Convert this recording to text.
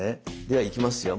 ではいきますよ。